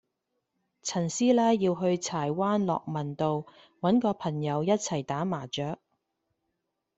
陳師奶要去柴灣樂民道搵個朋友一齊打麻雀